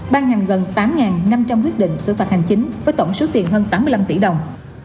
ban hành gần tám năm trăm linh quyết định xử phạt hành chính với tổng số tiền hơn tám mươi năm tỷ đồng